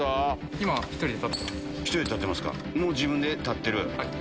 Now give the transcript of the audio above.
もう自分で立ってる。